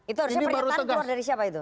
itu harusnya pernyataan keluar dari siapa itu